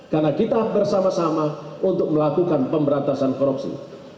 karena kita bersama sama untuk melakukan pemberantasan korupsi